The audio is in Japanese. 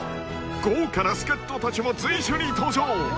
［豪華な助っ人たちも随所に登場！］